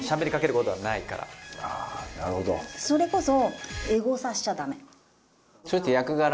それこそ。